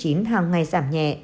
hàng ngày giảm nhẹ